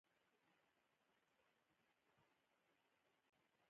تودوخه د ټولو افغانانو د تفریح یوه وسیله ده.